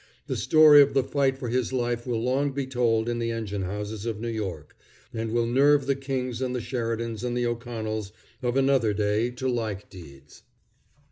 The story of the fight for his life will long be told in the engine houses of New York, and will nerve the Kings and the Sheridans and the O'Connells of another day to like deeds.